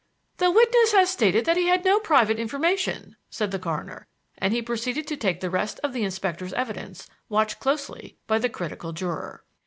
"The witness has stated that he had no private information," said the coroner; and he proceeded to take the rest of the inspector's evidence, watched closely by the critical juror.